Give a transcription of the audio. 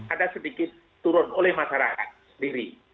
ada sedikit turun oleh masyarakat sendiri